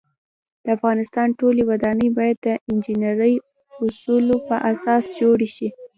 د افغانستان ټولی ودانۍ باید د انجنيري اوصولو په اساس جوړې شی